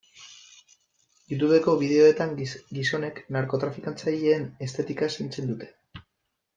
Youtubeko bideoetan gizonek narkotrafikatzaileen estetika zaintzen dute.